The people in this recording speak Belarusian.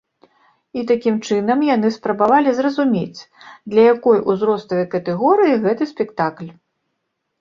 І такім чынам яны спрабавалі зразумець, для якой узроставай катэгорыі гэты спектакль.